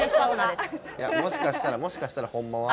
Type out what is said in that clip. いやもしかしたらもしかしたらホンマは。